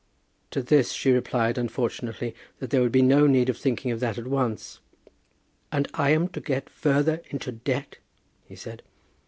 To this she replied, unfortunately, that there would be no need of thinking of that at once. "And I am to get further into debt!" he said.